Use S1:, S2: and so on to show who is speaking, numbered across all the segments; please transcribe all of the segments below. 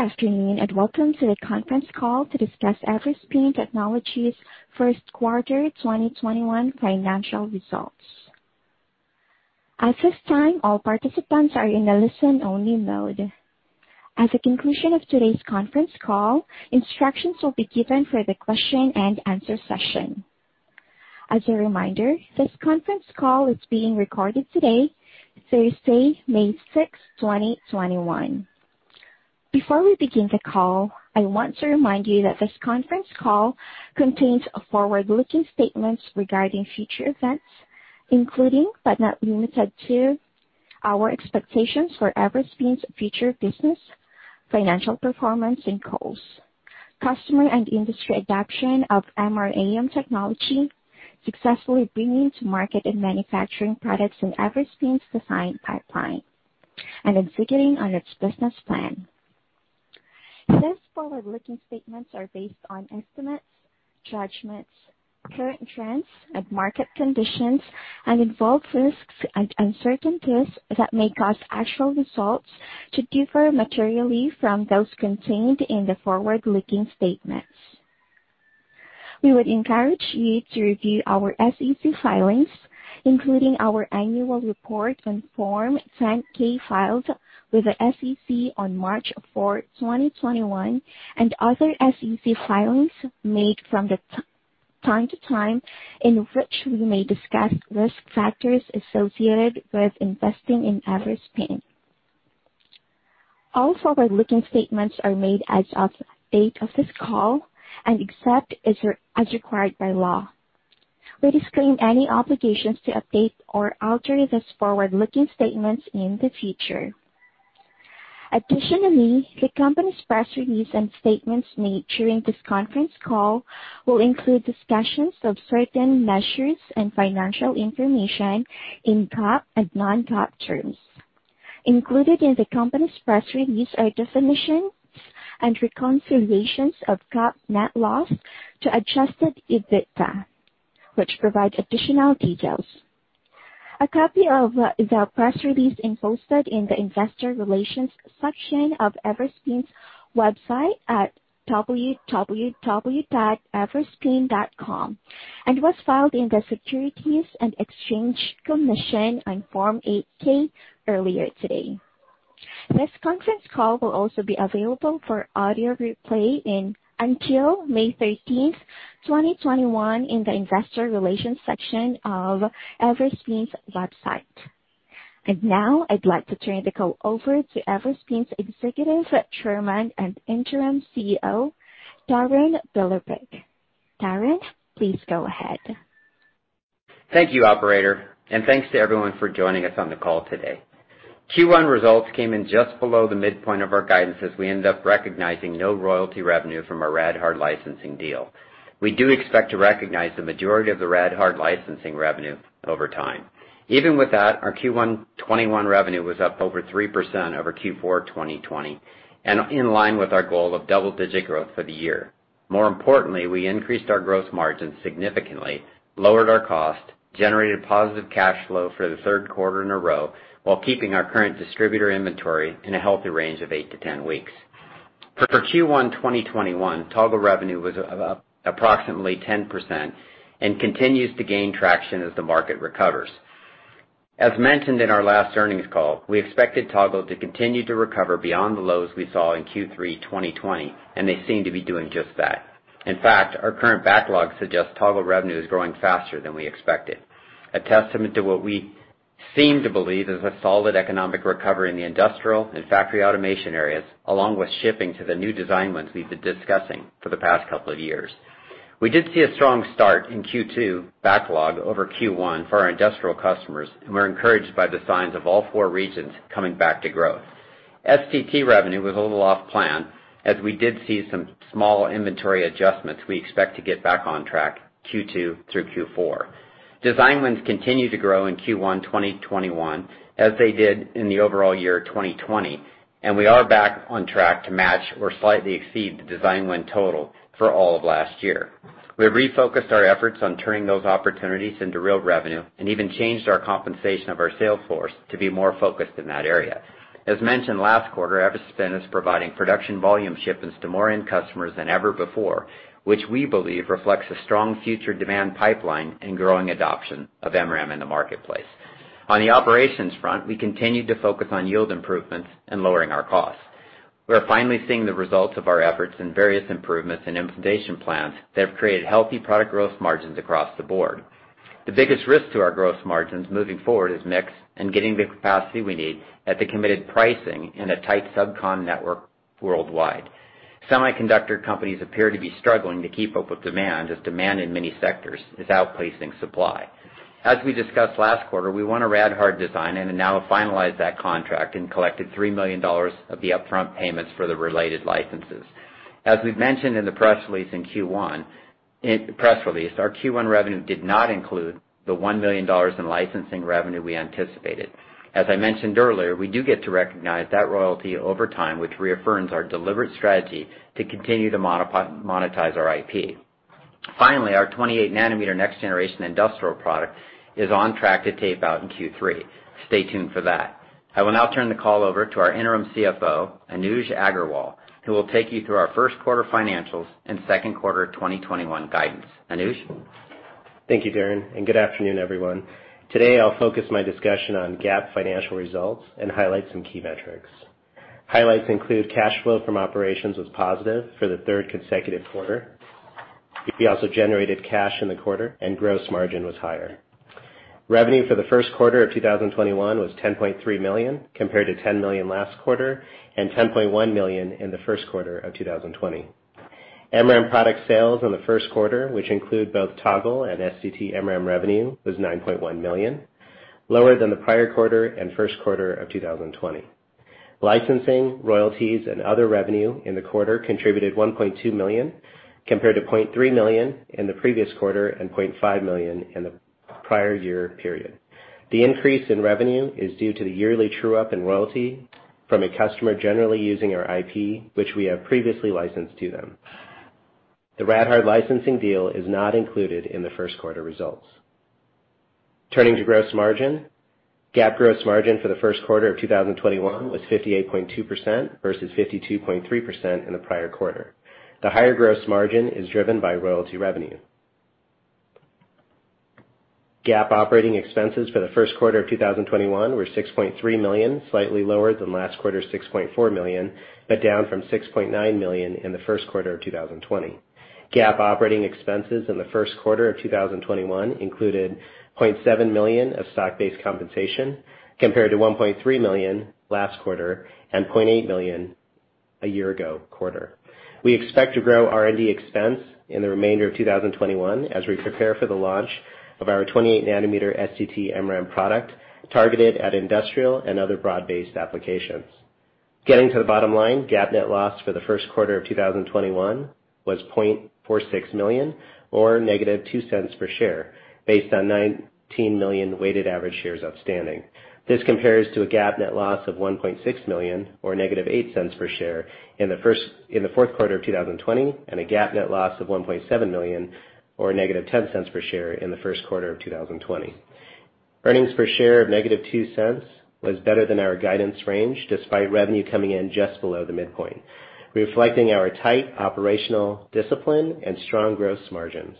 S1: Good afternoon, and welcome to the conference call to discuss Everspin Technologies' first quarter 2021 financial results. At this time, all participants are in a listen-only mode. At the conclusion of today's conference call, instructions will be given for the question and answer session. As a reminder, this conference call is being recorded today, Thursday, May 6, 2021. Before we begin the call, I want to remind you that this conference call contains forward-looking statements regarding future events, including, but not limited to, our expectations for Everspin's future business, financial performance and goals, customer and industry adoption of MRAM technology, successfully bringing to market and manufacturing products in Everspin's design pipeline, and executing on its business plan. These forward-looking statements are based on estimates, judgments, current trends, and market conditions and involve risks and uncertainties that may cause actual results to differ materially from those contained in the forward-looking statements. We would encourage you to review our SEC filings, including our annual report on Form 10-K filed with the SEC on March 4th, 2021, and other SEC filings made from time to time, in which we may discuss risk factors associated with investing in Everspin. All forward-looking statements are made as of date of this call and except as required by law. We disclaim any obligations to update or alter these forward-looking statements in the future. Additionally, the company's press release and statements made during this conference call will include discussions of certain measures and financial information in GAAP and non-GAAP terms. Included in the company's press release are definitions and reconciliations of GAAP net loss to adjusted EBITDA, which provides additional details. A copy of the press release is posted in the investor relations section of Everspin's website at www.everspin.com and was filed in the Securities and Exchange Commission on Form 8-K earlier today. This conference call will also be available for audio replay until May 13th, 2021, in the investor relations section of Everspin's website. Now I'd like to turn the call over to Everspin's Executive Chairman and Interim CEO, Darin Billerbeck. Darin, please go ahead.
S2: Thank you, operator, and thanks to everyone for joining us on the call today. Q1 results came in just below the midpoint of our guidance as we ended up recognizing no royalty revenue from our RAD-Hard licensing deal. We do expect to recognize the majority of the RAD-Hard licensing revenue over time. Even with that, our Q1 2021 revenue was up over 3% over Q4 2020, and in line with our goal of double-digit growth for the year. More importantly, we increased our gross margins significantly, lowered our cost, generated positive cash flow for the third quarter in a row, while keeping our current distributor inventory in a healthy range of 8-10 weeks. For Q1 2021, Toggle revenue was up approximately 10% and continues to gain traction as the market recovers. As mentioned in our last earnings call, we expected Toggle to continue to recover beyond the lows we saw in Q3 2020, and they seem to be doing just that. In fact, our current backlog suggests Toggle revenue is growing faster than we expected, a testament to what we seem to believe is a solid economic recovery in the industrial and factory automation areas, along with shipping to the new design wins we've been discussing for the past couple of years. We did see a strong start in Q2 backlog over Q1 for our industrial customers, and we're encouraged by the signs of all four regions coming back to growth. STT revenue was a little off-plan. As we did see some small inventory adjustments, we expect to get back on track Q2 through Q4. Design wins continued to grow in Q1 2021, as they did in the overall year 2020, and we are back on track to match or slightly exceed the design win total for all of last year. We've refocused our efforts on turning those opportunities into real revenue and even changed our compensation of our sales force to be more focused in that area. As mentioned last quarter, Everspin is providing production volume shipments to more end customers than ever before, which we believe reflects a strong future demand pipeline and growing adoption of MRAM in the marketplace. On the operations front, we continue to focus on yield improvements and lowering our costs. We are finally seeing the results of our efforts in various improvements in implementation plans that have created healthy product growth margins across the board. The biggest risk to our gross margins moving forward is mix and getting the capacity we need at the committed pricing in a tight subcon network worldwide. Semiconductor companies appear to be struggling to keep up with demand, as demand in many sectors is outpacing supply. As we discussed last quarter, we won a RAD-Hard design, and have now finalized that contract and collected $3 million of the upfront payments for the related licenses. As we've mentioned in the press release in Q1, our Q1 revenue did not include the $1 million in licensing revenue we anticipated. As I mentioned earlier, we do get to recognize that royalty over time, which reaffirms our deliberate strategy to continue to monetize our IP. Finally, our 28-nanometer next generation industrial product is on track to tape out in Q3. Stay tuned for that. I will now turn the call over to our Interim Chief Financial Officer, Anuj Aggarwal, who will take you through our first quarter financials and second quarter 2021 guidance. Anuj?
S3: Thank you, Darin, good afternoon, everyone. Today, I'll focus my discussion on GAAP financial results and highlight some key metrics. Highlights include cash flow from operations was positive for the third consecutive quarter. We also generated cash in the quarter, and gross margin was higher. Revenue for the first quarter of 2021 was $10.3 million, compared to $10 million last quarter and $10.1 million in the first quarter of 2020. MRAM product sales in the first quarter, which include both Toggle and STT-MRAM revenue, was $9.1 million, lower than the prior quarter and first quarter of 2020. Licensing, royalties, and other revenue in the quarter contributed $1.2 million, compared to $0.3 million in the previous quarter and $0.5 million in the prior year period. The increase in revenue is due to the yearly true-up in royalty from a customer generally using our IP, which we have previously licensed to them. The RAD-Hard licensing deal is not included in the first quarter results. Turning to gross margin, GAAP gross margin for the first quarter of 2021 was 58.2% versus 52.3% in the prior quarter. The higher gross margin is driven by royalty revenue. GAAP operating expenses for the first quarter of 2021 were $6.3 million, slightly lower than last quarter's $6.4 million, but down from $6.9 million in the first quarter of 2020. GAAP operating expenses in the first quarter of 2021 included $0.7 million of stock-based compensation, compared to $1.3 million last quarter and $0.8 million a year ago quarter. We expect to grow R&D expense in the remainder of 2021 as we prepare for the launch of our 28-nanometer STT-MRAM product targeted at industrial and other broad-based applications. Getting to the bottom line, GAAP net loss for the first quarter of 2021 was $0.46 million or -$0.02 per share based on 19 million weighted average shares outstanding. This compares to a GAAP net loss of $1.6 million or -$0.08 per share in the fourth quarter of 2020 and a GAAP net loss of $1.7 million or -$0.10 per share in the first quarter of 2020. Earnings per share of -$0.02 was better than our guidance range, despite revenue coming in just below the midpoint, reflecting our tight operational discipline and strong gross margins.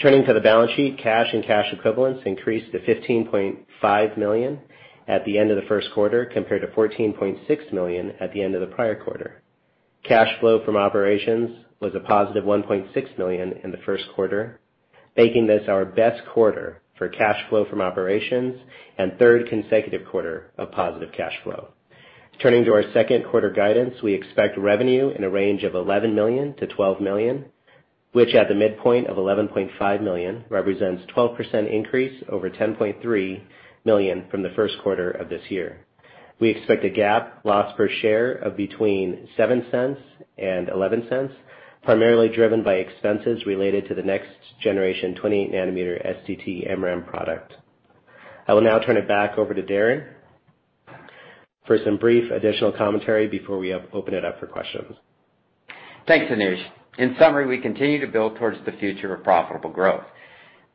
S3: Turning to the balance sheet, cash and cash equivalents increased to $15.5 million at the end of the first quarter, compared to $14.6 million at the end of the prior quarter. Cash flow from operations was a positive $1.6 million in the first quarter, making this our best quarter for cash flow from operations and third consecutive quarter of positive cash flow. Turning to our second quarter guidance, we expect revenue in a range of $11 million-$12 million, which at the midpoint of $11.5 million represents 12% increase over $10.3 million from the first quarter of this year. We expect a GAAP loss per share of between $0.07 and $0.11, primarily driven by expenses related to the next generation 28-nanometer STT-MRAM product. I will now turn it back over to Darin for some brief additional commentary before we open it up for questions.
S2: Thanks, Anuj. In summary, we continue to build towards the future of profitable growth.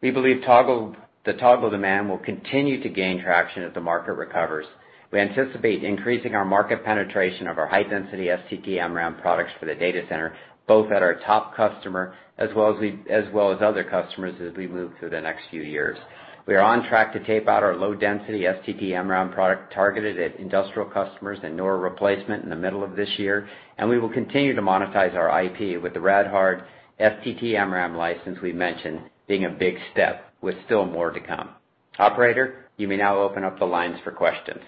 S2: We believe the Toggle demand will continue to gain traction as the market recovers. We anticipate increasing our market penetration of our high-density STT-MRAM products for the data center, both at our top customer as well as other customers as we move through the next few years. We are on track to tape out our low-density STT-MRAM product targeted at industrial customers and NOR replacement in the middle of this year, and we will continue to monetize our IP with the RAD-Hard STT-MRAM license we mentioned being a big step with still more to come. Operator, you may now open up the lines for questions.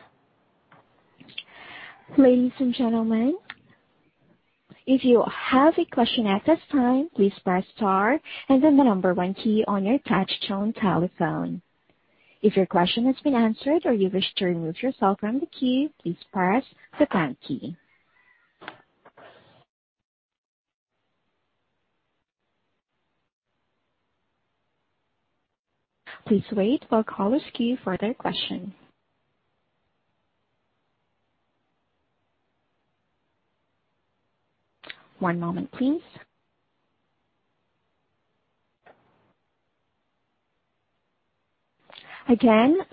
S1: Your first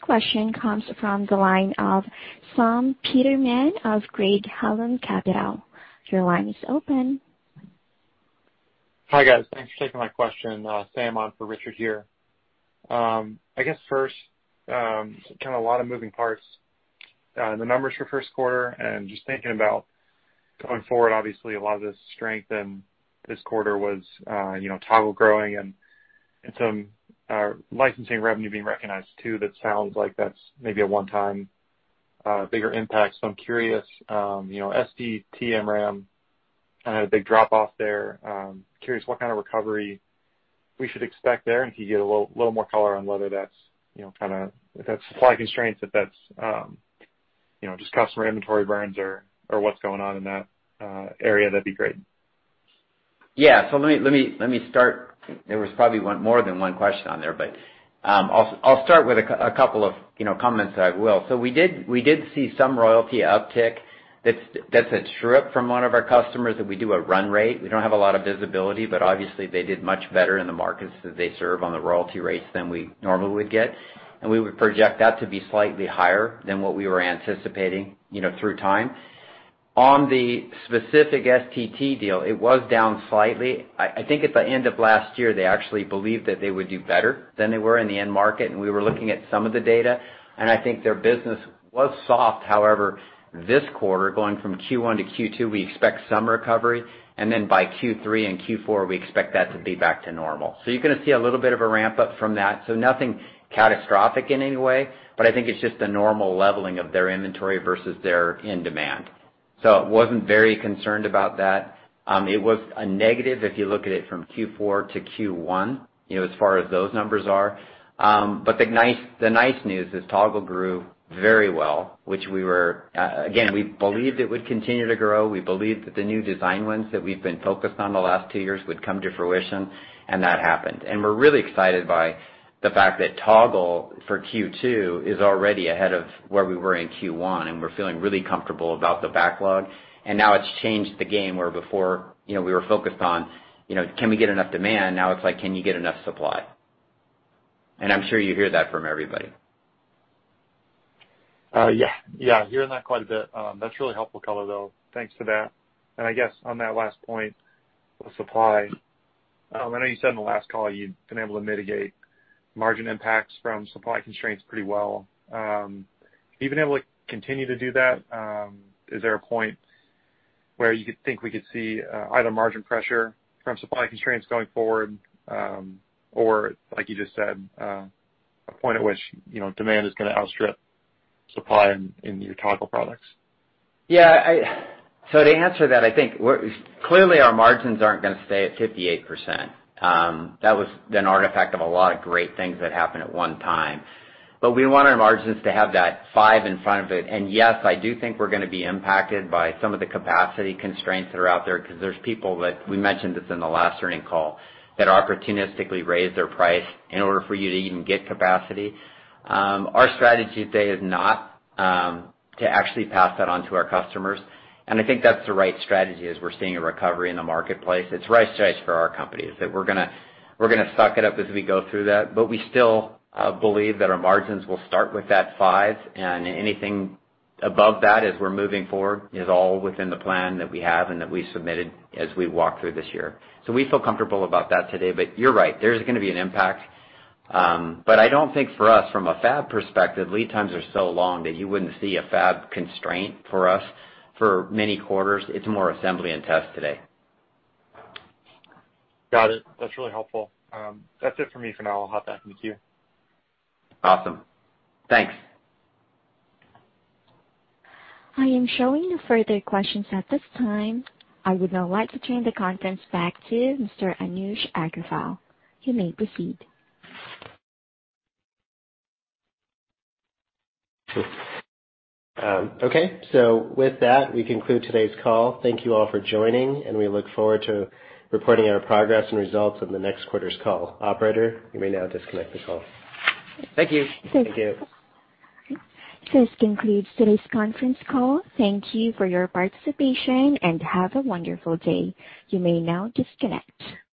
S1: question comes from the line of Sam Peterman of Craig-Hallum Capital. Your line is open.
S4: Hi, guys. Thanks for taking my question. Sam on for Richard here. I guess first, a lot of moving parts in the numbers for first quarter and just thinking about going forward, obviously, a lot of the strength in this quarter was Toggle growing and some licensing revenue being recognized too, that sounds like that's maybe a one-time bigger impact. I'm curious, STT-MRAM had a big drop off there. Curious what kind of recovery we should expect there. Can you give a little more color on whether that's supply constraints, if that's just customer inventory burns or what's going on in that area, that'd be great.
S2: Yeah. Let me start. There was probably more than one question on there, but I'll start with a couple of comments that I will. We did see some royalty uptick that's a trip from one of our customers that we do a run rate. We don't have a lot of visibility, but obviously they did much better in the markets that they serve on the royalty rates than we normally would get. We would project that to be slightly higher than what we were anticipating through time. On the specific STT deal, it was down slightly. I think at the end of last year, they actually believed that they would do better than they were in the end market, and we were looking at some of the data, and I think their business was soft. However, this quarter, going from Q1 to Q2, we expect some recovery, and then by Q3 and Q4, we expect that to be back to normal. You're going to see a little bit of a ramp-up from that. Nothing catastrophic in any way, but I think it's just a normal leveling of their inventory versus their end demand. Wasn't very concerned about that. It was a negative if you look at it from Q4 to Q1, as far as those numbers are. The nice news is Toggle grew very well, which we were, again, we believed it would continue to grow. We believed that the new design wins that we've been focused on the last two years would come to fruition, and that happened. We're really excited by the fact that Toggle for Q2 is already ahead of where we were in Q1, and we're feeling really comfortable about the backlog. Now it's changed the game where before we were focused on, can we get enough demand? Now it's like, can you get enough supply? I'm sure you hear that from everybody.
S4: Yeah. Hearing that quite a bit. That's really helpful color, though. Thanks for that. I guess on that last point, the supply, I know you said on the last call you've been able to mitigate margin impacts from supply constraints pretty well. Have you been able to continue to do that? Is there a point where you could think we could see either margin pressure from supply constraints going forward? Or like you just said, a point at which demand is going to outstrip supply in your Toggle products?
S2: To answer that, I think clearly our margins aren't going to stay at 58%. That was an artifact of a lot of great things that happened at one time. We want our margins to have that five in front of it. Yes, I do think we're going to be impacted by some of the capacity constraints that are out there because there's people that, we mentioned this in the last earnings call, that opportunistically raised their price in order for you to even get capacity. Our strategy today is not to actually pass that on to our customers, and I think that's the right strategy as we're seeing a recovery in the marketplace. It's right size for our company. We're going to suck it up as we go through that, but we still believe that our margins will start with that five, and anything above that as we're moving forward is all within the plan that we have and that we submitted as we walk through this year. We feel comfortable about that today. You're right, there's going to be an impact. I don't think for us, from a fab perspective, lead times are so long that you wouldn't see a fab constraint for us for many quarters. It's more assembly and test today.
S4: Got it. That's really helpful. That's it for me for now. I'll hop back into queue.
S2: Awesome. Thanks.
S1: I am showing no further questions at this time. I would now like to turn the conference back to Mr. Anuj Aggarwal. You may proceed.
S3: Okay. With that, we conclude today's call. Thank you all for joining, and we look forward to reporting our progress and results on the next quarter's call. Operator, you may now disconnect the call.
S2: Thank you.
S3: Thank you.
S1: This concludes today's conference call. Thank you for your participation, and have a wonderful day. You may now disconnect.